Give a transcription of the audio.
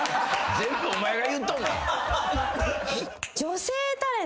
全部お前が言っとんねん。